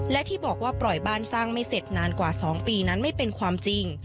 และที่บอกว่าปล่อยบ้านสร้างไม่เสร็จนานกว่า๒ปีนั้นไม่เป็นความจริง